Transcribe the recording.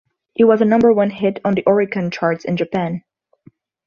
It was a number-one hit on the Oricon Charts in Japan.